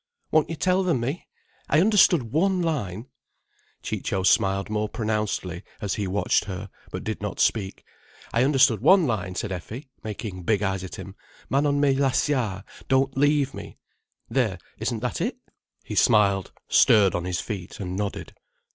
"Won't you tell them me? I understood one line—" Ciccio smiled more pronouncedly as he watched her, but did not speak. "I understood one line," said Effie, making big eyes at him. "Ma non me lasciare—Don't leave me! There, isn't that it?" He smiled, stirred on his feet, and nodded.